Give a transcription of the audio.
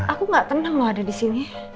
aku gak tenang loh ada di sini